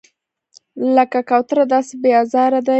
لکه کوتره داسې بې آزاره دی.